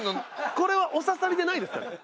これはお刺さりでないですかね？